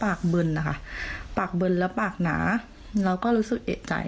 ปากบึนนะคะปากบึนแล้วปากหนาแล้วก็รู้สึกเอกใจ